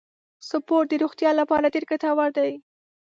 سپورت د روغتیا لپاره ډیر ګټور دی.